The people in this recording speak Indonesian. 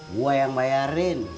gua yang bayarin